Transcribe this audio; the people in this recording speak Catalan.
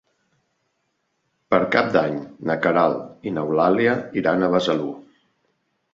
Per Cap d'Any na Queralt i n'Eulàlia iran a Besalú.